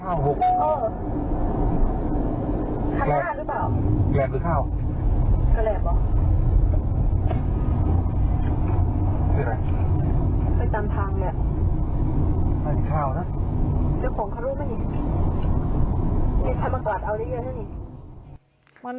และร่างหรือเปล่า